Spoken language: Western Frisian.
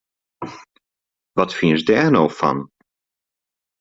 Wat fynst dêr no fan!